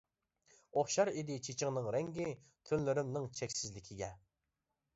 ئوخشار ئىدى چېچىڭنىڭ رەڭگى، تۈنلىرىمنىڭ چەكسىزلىكىگە.